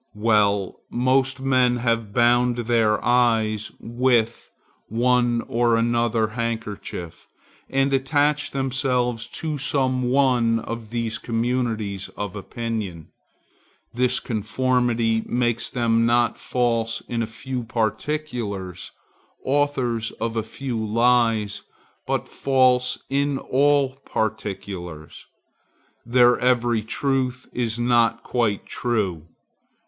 Well, most men have bound their eyes with one or another handkerchief, and attached themselves to some one of these communities of opinion. This conformity makes them not false in a few particulars, authors of a few lies, but false in all particulars. Their every truth is not quite true.